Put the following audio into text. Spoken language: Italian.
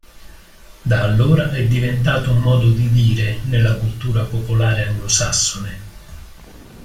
Da allora è diventato un modo di dire nella cultura popolare anglosassone.